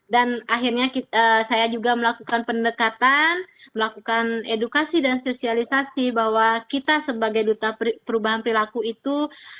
dan akhirnya saya juga melakukan pendekatan melakukan edukasi dan sosialisasi bahwa kita sebagai duta perubahan perilaku itu